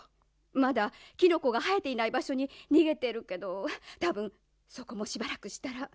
まだキノコがはえていないばしょににげてるけどたぶんそこもしばらくしたら。